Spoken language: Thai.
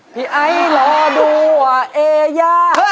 พี่ไอ้รอดูว่าเอ๋ยา